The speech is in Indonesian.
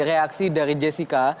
reaksi dari jessica